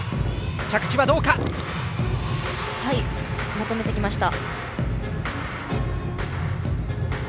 まとめてきました。